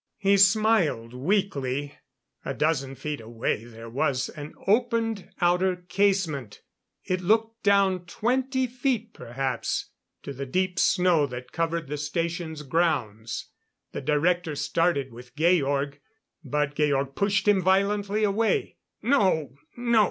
He smiled weakly. A dozen feet away there was an opened outer casement. It looked down twenty feet, perhaps, to the deep snow that covered the station's grounds. The Director started with Georg; but Georg pushed him violently away. "No! No!